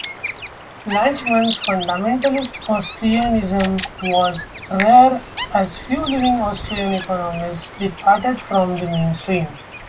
Lachmann's "fundamentalist Austrianism" was rare as few living Austrian economists departed from the mainstream.